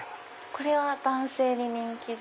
これは男性に人気で。